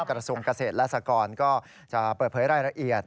กระทรวงเกษตรและสกรก็จะเปิดเผยรายละเอียด